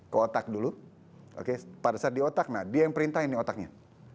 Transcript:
ke otak dulu pada saat di otak nah dia yang perintah ini otaknya